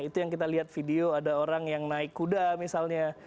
itu yang kita lihat video ada orang yang naik kuda misalnya